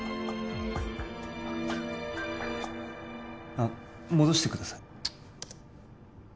あッ戻してください